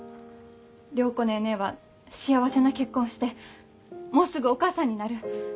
良子ネーネーは幸せな結婚してもうすぐお母さんになる。